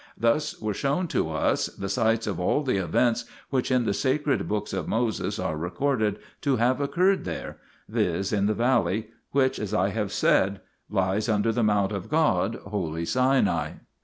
4 Thus were shown to us (the sites of) all the events which in the sacred books of Moses are recorded to have occurred there, viz., in the valley which, as I have said, lies under the mount of God, holy Sinai.